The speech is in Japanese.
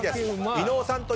伊野尾さんと一緒。